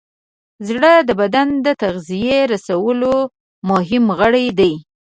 زړه د بدن د تغذیې رسولو مهم غړی دی.